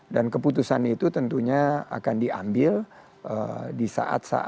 dan keputusan itu tentunya akan diambil karena karena saya teenage kegiatan sangat berantakan